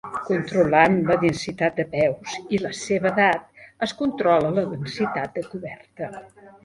Controlant la densitat de peus i la seva edat es controla la densitat de coberta.